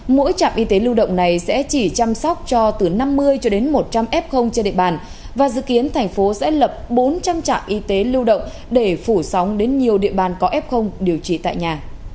mỗi trạm y tế lưu động này sẽ chỉ chăm sóc cho từ năm mươi cho đến một trăm linh f trên địa bàn và dự kiến thành phố sẽ lập bốn trăm linh trạm y tế lưu động để phủ sóng đến nhiều địa bàn có f điều trị tại nhà